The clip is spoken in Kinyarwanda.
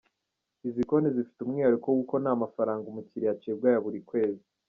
Izi konti zifite umwihariko w’uko nta mafaranga umukiliya acibwa ya buri kwezi.